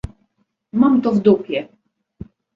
Mam to w dupie.